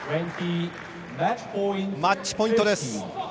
マッチポイントです。